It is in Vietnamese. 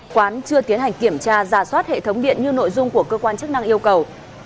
quán chưa tiến hành kiểm tra giả soát hệ thống điện như nội dung của cơ quan chức năng yêu cầu